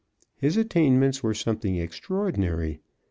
His attainments were something extraordinary.